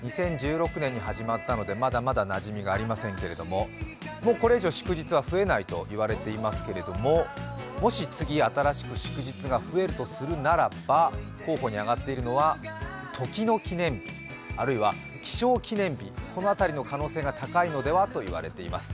２０１６年に始まったのでまだまだなじみはありませんけどもうこれ以上、祝日は増えないと言われていますけれどももし次、新しく祝日が増えるとするならば、候補に挙がっているのは時の記念日あるいは気象記念日、この辺りの可能性が高いのではといわれています。